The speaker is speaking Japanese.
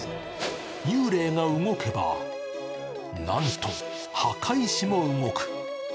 幽霊が動けば、なんと墓石も動く。